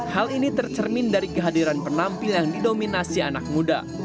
hal ini tercermin dari kehadiran penampil yang didominasi anak muda